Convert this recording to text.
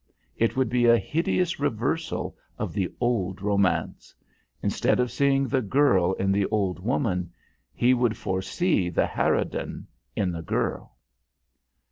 It would be a hideous reversal of the old romance; instead of seeing the girl in the old woman, he would foresee the harridan in the girl!